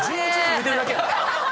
言うてるだけや。